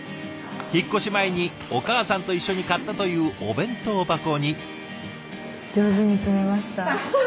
引っ越し前にお母さんと一緒に買ったというお弁当箱に。